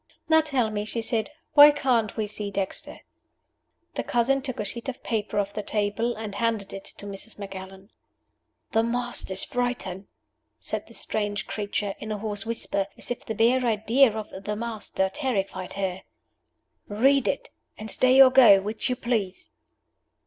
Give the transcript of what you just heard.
"Now tell me," she said. "Why can't we see Dexter?" The cousin took a sheet of paper off the table, and handed it to Mrs. Macallan. "The Master's writing," said this strange creature, in a hoarse whisper, as if the bare idea of "the Master" terrified her. "Read it. And stay or go, which you please."